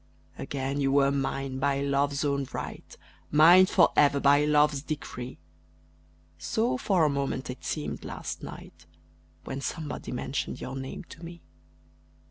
Again you were mine by Love's own right Mine forever by Love's decree: So for a moment it seemed last night, When somebody mentioned your name to me.